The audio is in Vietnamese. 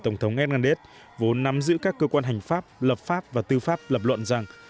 tổng thống merndev vốn nắm giữ các cơ quan hành pháp lập pháp và tư pháp lập luận rằng